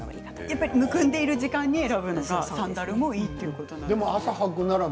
やっぱりむくんでいる時間に選ぶのがサンダルもいいんですね。